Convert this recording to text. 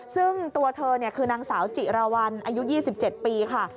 ซึ่งตัวเธอคือนางสาวจิราวัลอายุ๒๗ปีค่ะ